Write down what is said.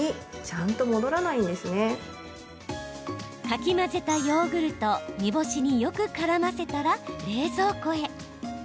かき混ぜたヨーグルトを煮干しによくからませたら冷蔵庫へ。